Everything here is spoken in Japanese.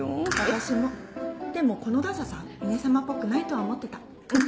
私もでもこのダサさ峰様っぽくないとは思ってた。